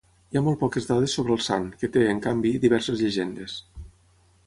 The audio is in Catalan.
Hi ha molt poques dades sobre el sant, que té, en canvi, diverses llegendes.